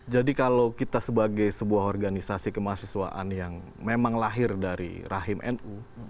jadi kalau kita sebagai sebuah organisasi kemahasiswaan yang memang lahir dari rahim nu